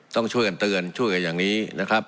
ต้องช่วยกันเตือนช่วยกันอย่างนี้นะครับ